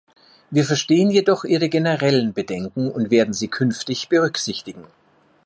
Wir verstehen jedoch Ihre generellen Bedenken und werden sie künftig berücksichtigen.